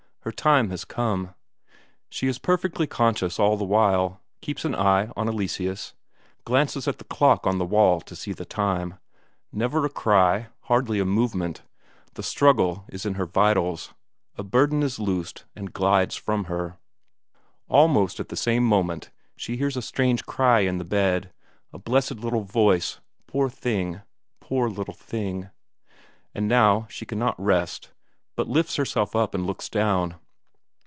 Her time was come. She is perfectly conscious all the while, keeps an eye on Eleseus, glances at the clock on the wall to see the time. Never a cry, hardly a movement; the struggle is in her vitals a burden is loosened and glides from her. Almost at the same moment she hears a strange cry in the bed, a blessed little voice; poor thing, poor little thing ... and now she cannot rest, but lifts herself up and looks down.